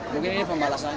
mungkin ini pembalasan